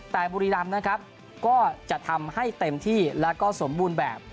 แต่บุรีรำนะครับก็จะทำให้เต็มที่แล้วก็สมบูรณ์แบบ